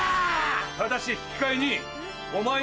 ただし引き換えに。